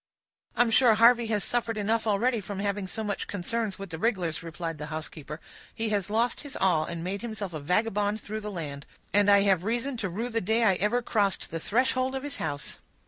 "I'm sure Harvey has suffered enough already from having so much concerns with the rig'lars," replied the housekeeper. "He has lost his all, and made himself a vagabond through the land; and I have reason to rue the day I ever crossed the threshold of his house."